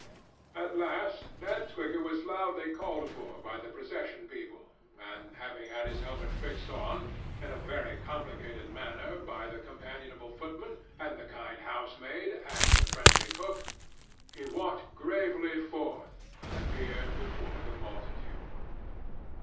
At last Ned Twigger was loudly called for, by the procession people: and, having had his helmet fixed on, in a very complicated manner, by the companionable footman, and the kind housemaid, and the friendly cook, he walked gravely forth, and appeared before the multitude.